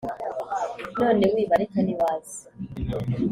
None wibareka, nibaze: